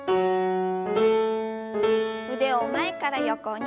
腕を前から横に。